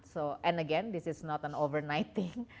dan lagi ini bukan hal yang terlalu malu